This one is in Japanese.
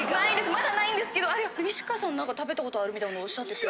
まだないんですけど西川さん食べたことあるみたいな事おっしゃってた。